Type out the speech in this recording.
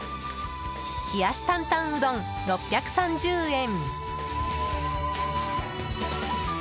冷やし坦々うどん、６３０円。